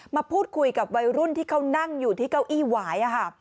มาพูดคุยกับวัยรุ่นที่เขานั่งอยู่ที่เก้าอี้หวายค่ะ